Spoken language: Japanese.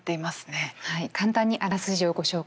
簡単にあらすじをご紹介します。